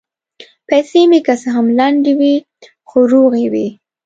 پیسې مې که څه هم لندې وې، خو روغې وې.